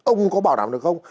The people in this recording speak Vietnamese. ông có bảo đảm được không